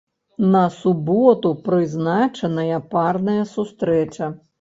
На суботу прызначаная парная сустрэча.